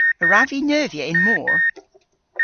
A wrav vy neuvya y'n mor?